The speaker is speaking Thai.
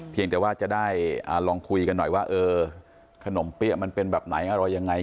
เพียงแต่ว่าจะได้ลองคุยกันหน่อยว่าเออขนมเปี้ยมันเป็นแบบไหนอะไรยังไง